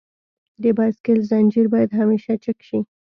د بایسکل زنجیر باید همیشه چک شي.